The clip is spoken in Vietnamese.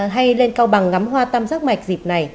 hay lên cao bằng ngắm hoa tam giác mạch dịp này